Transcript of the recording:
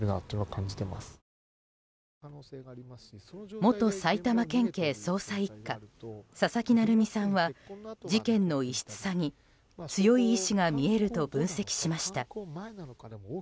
元埼玉県警捜査１課佐々木成三さんは事件の異質さに強い意志が見えると分析しました。